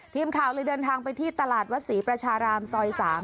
ทีมข่าวเลยเดินทางไปที่ตลาดวัดศรีประชารามซอย๓